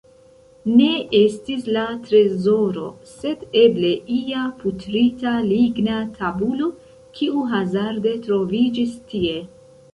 Ne estis la trezoro, sed eble ia putrita ligna tabulo, kiu hazarde troviĝis tie.